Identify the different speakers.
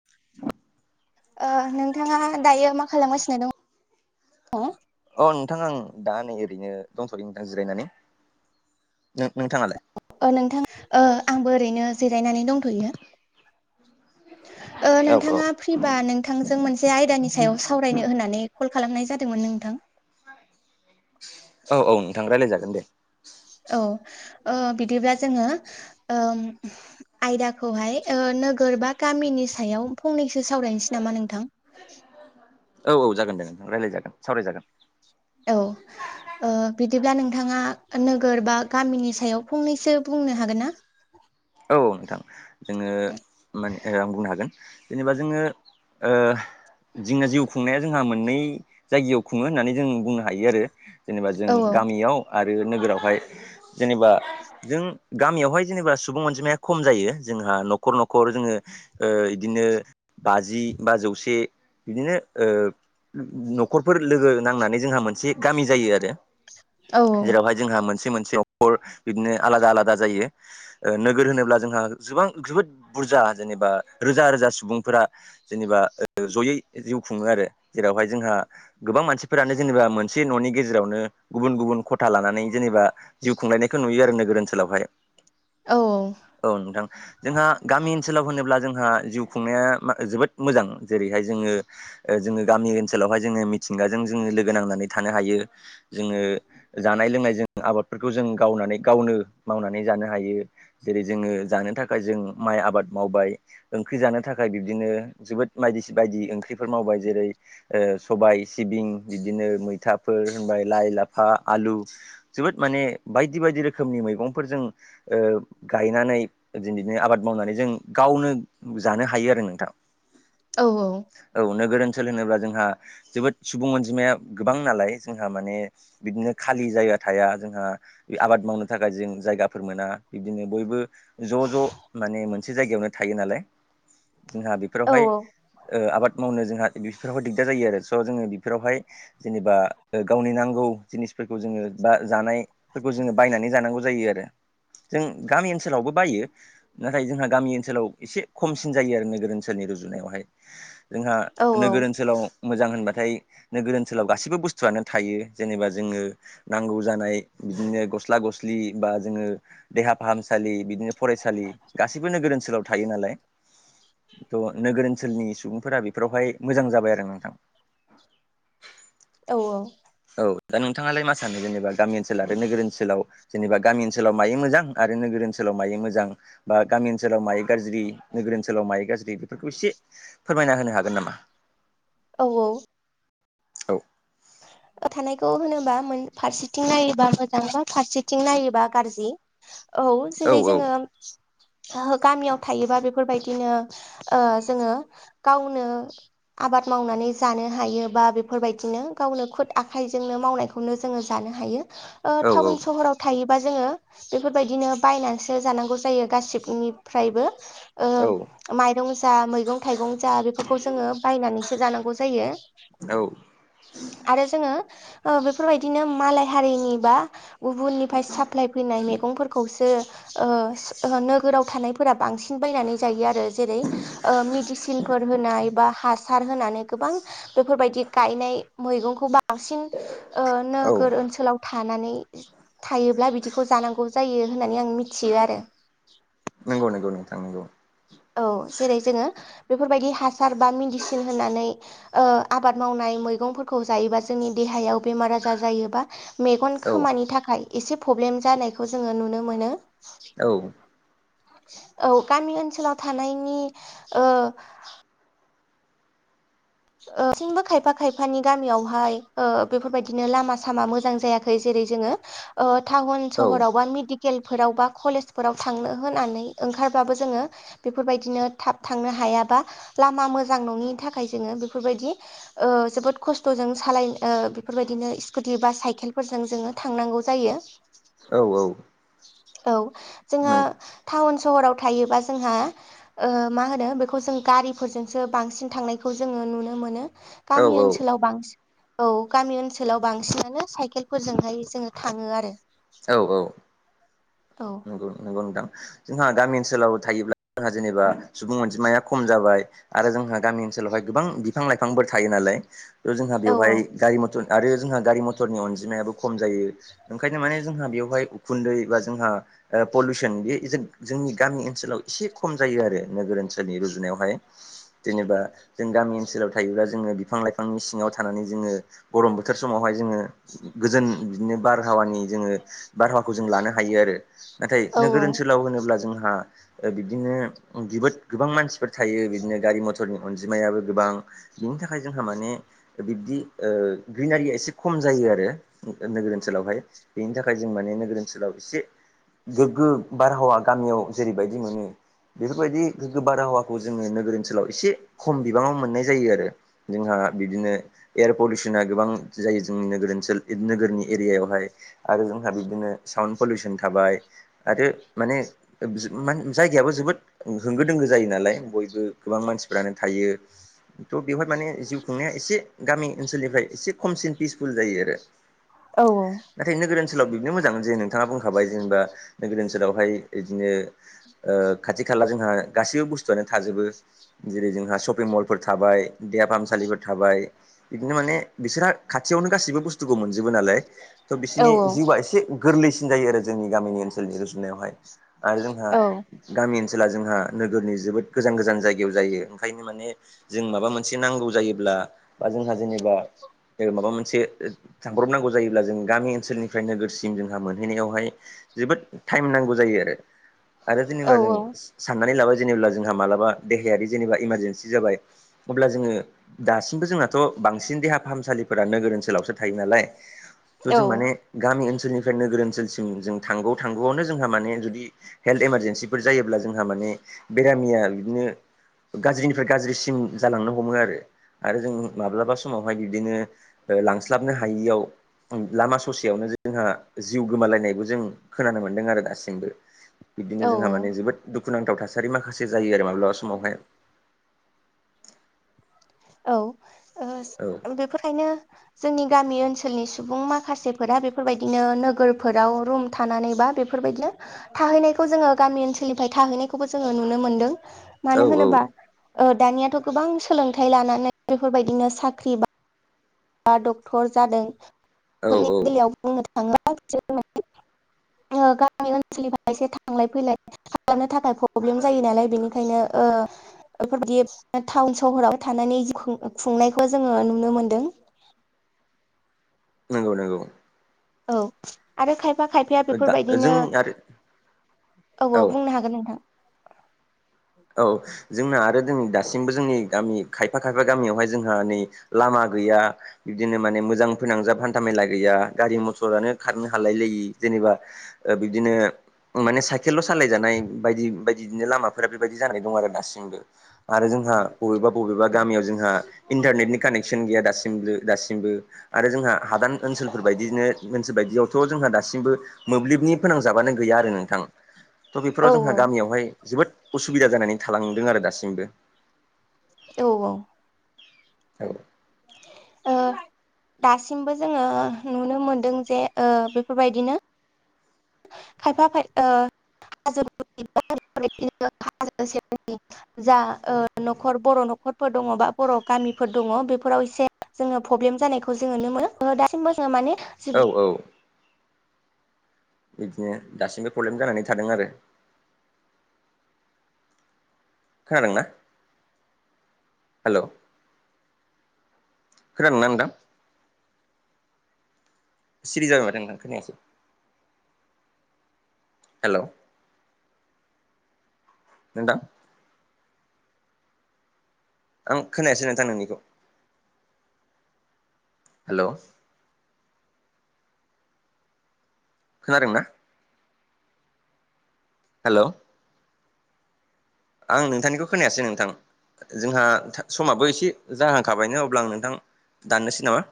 Speaker 1: [inaudible] [inaudible] [inaudible]
Speaker 2: नोंथाङा दायो मा खालामगासिनो दं?
Speaker 1: अ नोंथां आं दा नै ओरैनो दंथयो नोंथां जिरायनानै नों नोंथाङालाय
Speaker 2: नोंथां आंबो ओरैनो जिरायनानै दंथ'यो।
Speaker 1: औ औ
Speaker 2: नोंथाङा फ्रिबा नोंथांजों मोनसे आयदानि सायाव सावराय फरायनो होनानै कल खालामनाय जादोंमोन नोंथां।
Speaker 1: औ नोंथां रायज्लायजागोन दे।
Speaker 2: औ बिदिब्ला जोङो आयदाखौहाय नोगोर बा गामिनि सायाव फंनैसो सावरायनोसै नामा नोंथां?
Speaker 1: औ औ जागोन जागोन रायज्लायजागोन सावरायजागोन।
Speaker 2: औ बिदिब्ला नोंथाङा नोगोर बा गामिनि सायाव फंनैसो बुंनो हागोन ना?
Speaker 1: औ नोंथां जोङो माने आं बुंनो हागोन। जेनेबा जोङो जोंना जिउ खुंनाया जोंहा मोननै जायगायाव खुङो होननानै जों बुंनो हायो आरो। जेनेबा जों
Speaker 2: औ
Speaker 1: गामियाव आरो नोगोरावहाय जेनेबा जों गामियावहाय जेनेबा सुबुं अनजिमाया खम जायो ।जोंहा न'खर न'खर जोङो बिदिनो बाजि बा जौसे बिदिनो न'खरफोर लोगो नांनानै जोंहा मोनसे गामि जायो आरो।
Speaker 2: औ
Speaker 1: जेरावहाय जोंहा मोनसे मोनसे अखर बिदिनो आलादा- आलादा जायो। नोगोर होनोब्ला जोंहा गोबां जोबोद बुरजा जेनेबा रोजा- रोजा सुबुंफोरा जेनेबा जयै जिउ खुङो आरो ।जेरावहाय जोंहा गोबां मानसिफोरानो जेनेबा मोनसे न'नि गेजेरावनो गुबुन गुबुन खथा लानानै जेनेबा जिउ खुंलायनायखौ नुयो आरो नोगोर ओनसोलावहाय।
Speaker 2: औ
Speaker 1: औ नोंथां जोंहा गामि ओनसोलाव होनोब्ला जोंहा जिउ खुंनाया जोबोद मोजां। जेरैहाय जोङो जोङो गामि ओनसोलावहाय जोङो मिथिंगाजों जोङो लोगो नांनानै थानो हायो। जोङो जानाय लोंनायजों आबादफोरखौ जों गावनानै गावनो मावनानै जानो हायो। जेरै जोङो जानो थाखाय जों माइ आबाद मावबाय। ओंख्रि जानो थाखाय बिब्दिनो जोबोद बायदिस बायदि ओंख्रिफोर मावबाय जेरै ओ सबाय सिबिं बिदिनो मैथाफोर होनबाय लाइ लाफा आलु जोबोद माने बायदि बायदि रोखोमनि मैगंफोरजों ओ गायनानै जों बिदिनो आबाद मावनानै जों गावनो जानो हायो आरो नोंथां।
Speaker 2: औ-औ
Speaker 1: औ नोगोर ओनसोल होनोब्ला जोंहा जोबोद सुबुं अनजिमाया गोबां नालाय जोंहा माने बिदिनो खालि जायगा थाया जोंहा आबाद मावनो थाखाय जों जायगाफोर मोना बिदिनो बयबो ज' ज' माने मोनसे जायगायावनो थायो नालाय। जोंहा
Speaker 2: औ
Speaker 1: बेफोरावहाय ओ आबाद मावनो जोंहा बेफोरावाय दिगदार जायो आरो स' जोङो बेफोरावहाय जेनेबा ओ गावनि नांगौ जिनिसफोरखौ जोङो बा जानाय फोरखौ जोङो बायनानै जानांगौ जायो। आरो जों गामि ओनसोलावबो बायो। नाथाय जोंहा गामि ओनसोलाव एसे खमसिन जायो आरो नोगोर ओनसोलनि रुजुनायावहाय। जोंहा
Speaker 2: औ
Speaker 1: नोगोर ओनसोलाव मोजां होनबाथाय नोगोर ओनसोलाव गासैबो बुस्थुआनो थायो। जेनेबा जोङो नांगौ जानाय बिदिनो गस्ला गस्लि बा जोङो देहा फाहामसालि बिदिनो फरायसालि गासैबो नोगोर ओनसोलाव थायो नालाय। थ' नोगोर ओनसोलनि सुबुंफोरा बेफोरावहाय मोजां जाबाय आरो नोंथां
Speaker 2: औ-औ
Speaker 1: औ दा नोंथाङालाय मा सानो जेनेबा गामि ओनसोल आरो नोगोर ओनसोलाव जेनबा गामि ओनसोलाव मायो मोजां आरो नोगोर ओनसोलाव मायो मोजां? बा गामि ओनसोलाव मायो गाज्रि नोगोर ओनसोलाव माय गाज्रि बेफोरखौ एसे फोरमायना होनो हागोन नामा?
Speaker 2: औ-औ
Speaker 1: औ
Speaker 2: थानायखौ होनोबा मोन फारसेथिं नायोबा मोजां बा फारसेथिं नायोबा गारजि औ जेरै जोङो ओ गामियाव थायोबा बे बेफोरबायदिनो जोङो गावनो आबाद मावनानै जानो हायो बा बेफोरबायदिनो गावनो खुद आखाइजोंनो मावनायखौनो जोङो जानो हायो ओ
Speaker 1: औ
Speaker 2: टाउन सहराव थायोबा जोङो बेफोरबायदिनो बायनानैसो जानांगौ जायो गासिबनिफ्रायबो। ओ
Speaker 1: औ
Speaker 2: माइरं जा मैगं थाइगं जा बेफोरखौ जोङो बायनानैसो जानांगौ जायो
Speaker 1: औ
Speaker 2: आरो जोङो ओ बेफोरबायदिनो मालाय हारिनि बा गुबुननिफ्राय साफ फ्लाय फैनाय मैगंफोरखौसो ओ सो नोगोराव थानाय फोरा बांसिन बायनानै जायो आरो जेरै ओ मिडिसिनफोर होनाय बा हासार होनानै गोबां बेफोरबायदि गायनाय मैगंखौ बांसिन ओ
Speaker 1: औ
Speaker 2: नोगोर ओनसोलाव थानानै थायोब्ला बिदिखौ जानांगौ जायो होननानै आं मिथियो आरो
Speaker 1: नोंगौ नोंगौ नोंथां नोंगौ
Speaker 2: औ जेरै जोङो बेफोरबायदि हासार बा मिडिसिन होनानै ओ आबाद मावनाय मैगंफोरखौ जायोबा जोंनि देहायाव बेमार आजार जायोबा मेगन
Speaker 1: औ
Speaker 2: खोमानि थाखाय एसे प्रब्लेम जानायखौ जोङो नुनो मोनो।
Speaker 1: औ।
Speaker 2: औ गामि ओनसोलाव थानायनि ओ ओ थिंबो खायफा खायफानि गामियावहाय ओ बेफोरबायदिनो लामा सामा मोजां जायाखै। जेरै जोङो ओ थावन
Speaker 1: औ
Speaker 2: सहराव बा मेडिक केल बा कलेजफोराव थांनो होनानै ओंखारबाबो जोङो बेफोरबायदिनो थाब थांनो हायाबा लामा मोजां नङिनि थाखाय जोङो बेफोरबायदि ओ जोबोद खस्थ'जों सालाय ओ बेफोरबायदिनो स्कुटि बा साइकेलफोरजों जोङो थांनांगौ जायो
Speaker 1: औ-औ
Speaker 2: औ जोंहा टाउन सहराव थायोबा जोंहा ओ मा होनो बेखौ जों गारिफोरजोंसो बांसिन थांनायखौ जोङो नुनो मोनो गामि
Speaker 1: औ
Speaker 2: ओनसोलाव बांसिन औ गामि ओनसोलाव बांसिनानो साइकेलफोरजोंहाय जोङो थाङो आरो
Speaker 1: औ औ
Speaker 2: औ
Speaker 1: नंगौ नंगौ नोंथां जोंहा गामि ओनसोलाव थायोब्ला जोंहा जेनेबा सुबुं अनजिमाया खम जाबाय आरो जोंहा गामि ओनसोलावहाय गोबां बिफां लाइफांफोर थायो नालाय थह जोंहा
Speaker 2: औ
Speaker 1: बेवहाय गारि मथर आरो जोंहा गारि मथरनि अनजिमायाबो खम जायो ओंखायनो माने जोंहा बेवहाय उखुन्दै बा जोंहा ओ पलिउसन बे जोंनि गामि ओनसोलाव एसे खम जायो आरो नोगोर ओनसोलनि रुजुनायावहाय जेनेबा जों गामि ओनसोलाव थायोब्ला जोङो बिफां लाइफांनि सिङाव थानानै जोङो गरम बोथोर समावहाय जोङो गोजोन बिदिनो बारहावानि जोङो बारहावाखौ जों लानो हायो आरो नाथाय
Speaker 2: औ
Speaker 1: नोगोर ओनसोलाव होनोब्ला जोंहा ओ बिदिनो जोबोद गोबां मानसिफोर थायो बिदिनो गारि मथर फोरनि अनजिमायाबो गोबां बिनि थाखाय जोंहा माने बिब्दि ओ ग्रिनारिया एसे खम जायो आरो नोगोर ओनसोलावहाय बेनि थाखाय जों माने नोगोर ओनसोलाव एसे गोग्गो बारहावा गामियाव जेरैबायदि मोनो बेफोरबायदि गोग्गो बारहावाखौ जोङो नोगोर ओनसोलाव एसे खम बिबाङाव मोननाय जायो आरो जोंहा बिदिनो एयार पलिउसना गोबां जायो जोंनि नोगोर ओनसोल नोगोरनि एरियायावहाय आरो जोंहा बिबदिनो साउन्ड पलिउसन थाबाय आरो माने ओ बिजमान जायगायाबो जोबोद होंगो दोंगो जायो नालाय बयबो गोबां मानसिफ्रानो थायो थ' बेवहाय माने जिउ खुंनाया एसे गामि ओनसोलनिफ्राय एसे खमसिन पिसफुल जायो आरो
Speaker 2: औ औ
Speaker 1: नाथाय नोगोर ओनसोलाव बिबदिनो मोजां जे नोंथाङा बुंखाबाय जेनेबा नोगोर ओनसोलावहाय बिदिनो ओ खाथि खाला जोंहा गासैबो बुस्थुआनो थाजोबो जेरै जोंहा शपिं मलफोर थाबाय देहा फाहामसालिफोर थाबाय बिदिनो माने बिसोरहा खाथियावनो गाससिबो बुस्थुखौ मोनजोबो नालाय थ'
Speaker 2: औ
Speaker 1: बिसोरनि जिउआ एसे गोरलैसिन जायो आरो जोंनि गामिनि ओनसोलनि रुजुनायावहाय आरो जोंहा
Speaker 2: औ
Speaker 1: गामि ओनसोला जोंहा नोगोरनि जोबोद गोजान गोजान जायगायाव जायो ओंखायनो माने जों माबा मोनसे नांगौ जायोब्ला बा जोंहा जेनेबा ओ माबा मोनसे थांब्रबनांगौ जायोब्ला जों गामि ओनसोलनिफ्राय नोगोरसि दिन जोंहा मोनहैनायावहाय जोबोद टाइम नांगौ जायो आरो आरो जेनेबा जों
Speaker 2: औ
Speaker 1: साननानै लाबाय जेनेब्ला जोंहा मालाबा देहायारि जेनेबा इमारजेन्सि जाबाय अब्ला जोङो दासिमबो जोंनाथ' बांसिन देहा फाहामसालिफोरा नोगोर ओनसोलावसो थायो नालाय थ'
Speaker 2: औ
Speaker 1: जों माने गामि ओनसोलनिफ्राय नोगोर ओनसोलसिम जों थांगौ थांगौआवनो जोंहा माने जुदि हेल्थ इमारजेन्सिफोर जायोब्ला जोंहा माने बेरामिया बिदिनो गाज्रिनिफ्राय गाज्रिसिम जालांनो हमो आरो आरो जों माब्लाबा समावहाय बिदिनो ओ लांस्लाबनो हायियाव लामा ससेयावनो जे जोंहा जिउ गोमालायनायबो जों खोनानो मोन्दों आरो दासिमबो बिदिनो
Speaker 2: औ
Speaker 1: जोंहा माने जोबोद दुखुनांथाव थासारि माखासे जायो आरो माब्लाबा समावहाय
Speaker 2: औ
Speaker 1: औ
Speaker 2: ओ बेफोरखायनो जोंनि गामि ओनसोलनि सुबुं माखासेफोरा बेफोरबायदिनो नोगोरफोराव रुम थानानै बा बे फोरबायदिनो थाहैनायखौ जोङो गामि ओनसोलनिफ्राय थाहैनायखौबो जोङो नुनो मोनदों मानो
Speaker 1: औ
Speaker 2: होनोबा ओ दानियाथ' गोबां सोलोंथाइ लानानै बेफोरबायदिनो साख्रि बा बा डक्टर जादों
Speaker 1: औ
Speaker 2: बेफोरनि
Speaker 1: औ
Speaker 2: बेलायाव बुंनो थाङास होननानै गामि ओनसोलनिफ्राय एसे थांलाय फैलाय खालामनो थाखाय थाखाय प्रब्लेम जायो नालाय बेनिखायनो ओ बेफोरदि टाउन सहराव थानानै खुंनायखौ जोङो नुनो मोनदों [inaudible]
Speaker 1: नंगौ नंगौ
Speaker 2: औ आरो खायफा खायफाया
Speaker 1: दा
Speaker 2: बेफोरबायदिनो
Speaker 1: जों आरो
Speaker 2: औ औ बुंनो हागोन नोंथां
Speaker 1: औ जोंना आरो जोंनि दासिमबो जोंनि गामि खायफा खायफा गामियावहाय जोंहा नै लामा गैया बिबदिनो माने मोजां फोनांजाब हान्था मेला गैया गारि मथरानो खारनो हालाय लायि जेनेबा ओ बिबदिनो माने साइकेलल' सालायजानाय बायदि बायदि बिनो लामाफोरा बायदि जानाय दं आरो दासिबो आरो जोंहा बबेबा बबेबा गामियाव जोंहा इन्टारनेटनि कानेक्सन गैया दासिमबो दासिमबो आरो जोंहा हादान ओनसोलफोर बायदिनो ओनसोल बायदियावथ' जोंहा दासिमबो मोब्लिबनि फोनांजाबानो गैया आरो नोंथां थ'
Speaker 2: औ
Speaker 1: बेफोराव जोंहा गामियावहाय जोबोद उसुबिदा जानानै थालांदों आरो दासिमबो
Speaker 2: औ औ
Speaker 1: औ
Speaker 2: दासिमबो जोङो नुनो मोनदों जे बेफोरबायदिनो खायफााया हाजोनो हाजो जा न'खर बर' न'खरफोर दङ बा बर' गामिफोर दङ बेफोराव एसे जोङो प्रब्लेम जानायखौ जोङो नु मोनो दासिमबो जोङो माने
Speaker 1: औ औ बिदिनो दासिमबो प्रब्लेम जानानै थादों आरो खोनादोंनाा हेल' खोनान नांदां सिरि जाबाय माथ नोंथां खोनायासै हेल' नों दा आं खोनायासै नोंथां नोंनिखौ हेल' खोनादों ना हेल' आं नोंथांनिखौ खोनायासै नोंथां जोंहा समाबो एसे जाहांखाबायनो अब्ला आं नोंथां दाननोसै नामा?